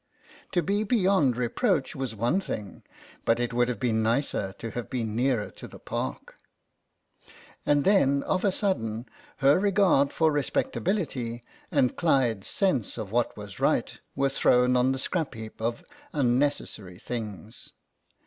To be beyond reproach was one thing, but it would have been nicer to have been nearer to the Park. And then of a sudden her regard for respectability and Clyde's sense of what was right were thrown on the scrap heap of unnecessary things.